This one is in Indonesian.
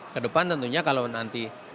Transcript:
ke depan tentunya kalau nanti